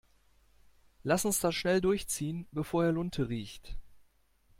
Lass uns das schnell durchziehen, bevor er Lunte riecht.